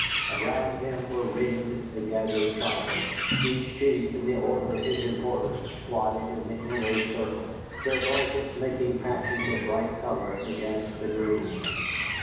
Around him were ringed the gathered tribes, each chief in the order of his importance squatted in the inner circle, their blankets making patches of bright color against the green.